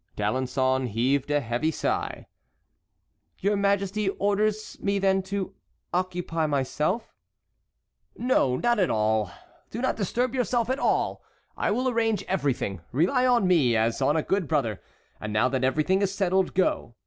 D'Alençon heaved a sigh. "Your Majesty orders me then to occupy myself"— "No, not at all. Do not disturb yourself at all; I will arrange everything; rely on me, as on a good brother. And now that everything is settled, go.